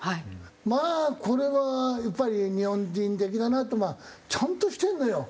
まあこれはやっぱり日本人的だなってまあちゃんとしてるのよ。